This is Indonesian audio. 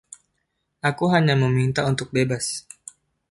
Aku hanya meminta untuk bebas.